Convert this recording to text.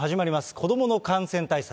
子どもの感染対策。